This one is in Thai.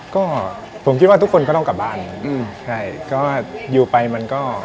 ก็ผมคิดว่าทุกคนก็ต้องกลับบ้านอืมใช่ก็อยู่ไปมันก็